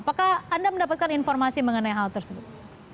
apakah anda mendapatkan informasi mengenai hal tersebut